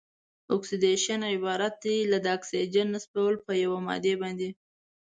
اکسیدیشن عبارت دی له د اکسیجن نصبول په یوې مادې باندې.